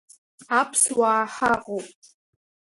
Аԥсуаа ҳаҟоуп…